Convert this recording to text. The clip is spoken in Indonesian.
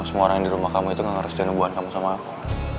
semua orang di rumah kamu itu gak harus jenubuan kamu sama aku